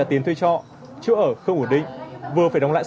một nghìn một trăm linh bốn tỷ có rồi này